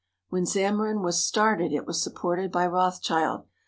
When Zammarin was started it was supported by Roths child.